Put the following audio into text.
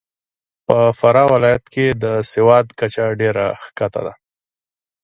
په فراه ولایت کې د سواد کچه ډېره کښته ده .